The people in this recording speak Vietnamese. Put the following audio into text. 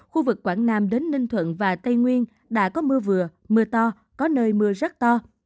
khu vực quảng nam đến ninh thuận và tây nguyên đã có mưa vừa mưa to có nơi mưa rất to